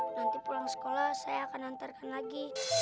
nanti pulang sekolah saya akan antarkan lagi